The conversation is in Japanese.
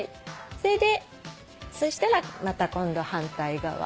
そしたらまた今度反対側。